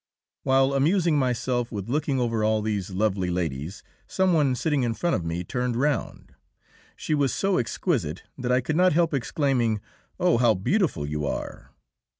While amusing myself with looking over all these lovely ladies, some one sitting in front of me turned round. She was so exquisite that I could not help exclaiming, "Oh, how beautiful you are!"